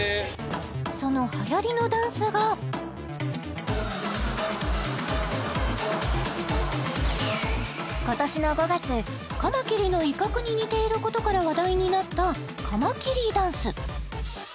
そのはやりのダンスが今年の５月カマキリの威嚇に似ていることから話題になったカマキリダンス